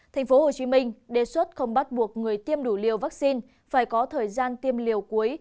tp hcm đề xuất không bắt buộc người tiêm đủ liều vaccine phải có thời gian tiêm liều cuối